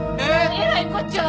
えらいこっちゃ！